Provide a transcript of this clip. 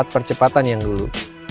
empat percepatan yang dulu